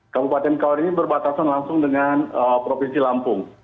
kabupaten kaur ini berbatasan langsung dengan provinsi lampung